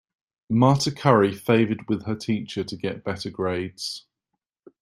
Marta curry favored with her teacher to get better grades.